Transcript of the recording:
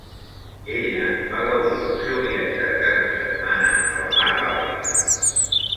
Ella va gaudir del seu viatge de cap de setmana a la mar Bàltica.